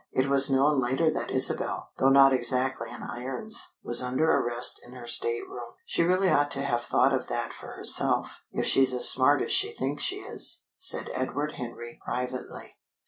It was known later that Isabel, though not exactly in irons, was under arrest in her stateroom. "She really ought to have thought of that for herself, if she's as smart as she thinks she is," said Edward Henry privately.